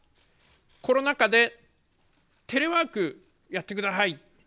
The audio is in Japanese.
この中でテレワークやってください。